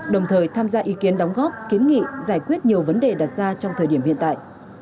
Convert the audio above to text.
đồng thời tham gia ý kiến đóng góp kiến nghị giải quyết nhiều vấn đề đặt ra trong thời điểm hiện tại